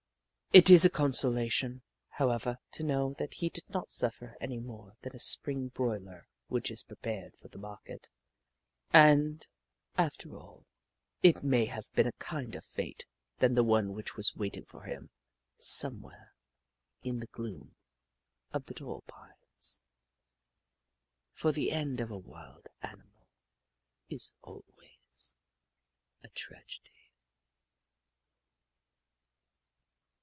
It is a consolation, how ever, to know that he did not suffer any more than a spring broiler which is prepared for the market, and, after all, it may have been a kinder fate than the one which was waiting for him somewhere in the gloom of the tall pines, for the end of a wild animal is always a tragedy.